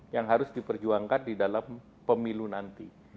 yang harus diperjuangkan di dalam pemilu nanti